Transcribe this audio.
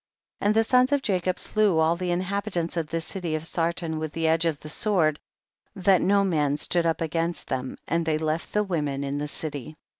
51. And the sons of Jacob slew all the inhabitants of the city of Sar ton with the edge of the sword, that no man stood up against them, and they left the women in the city.